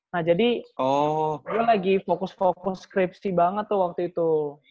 nah jadi gue lagi fokus fokus skripsi banget tuh waktu itu